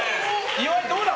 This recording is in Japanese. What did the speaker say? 岩井、どうだ？